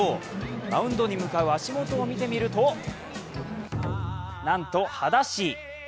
マウンドに向かう足元を見てみるとなんと、はだし。